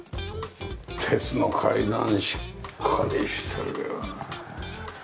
鉄の階段しっかりしてるよねえ。